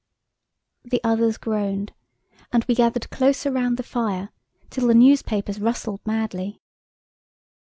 The others groaned, and we gathered closer round the fire till the newspapers rustled madly.